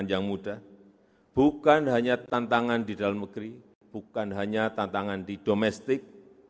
yang muda bukan hanya tantangan di dalam negeri bukan hanya tantangan di domestik